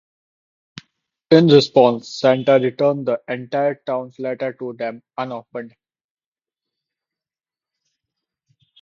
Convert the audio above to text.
In response, Santa returns the entire town's letters to them unopened.